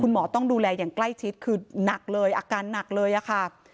หมอต้องดูแลอย่างใกล้ชิดคือหนักเลยอาการหนักเลยค่ะ